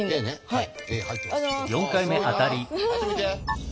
はい。